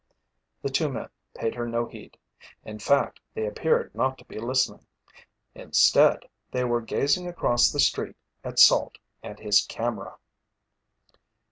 The two men paid her no heed. In fact, they appeared not to be listening. Instead, they were gazing across the street at Salt and his camera.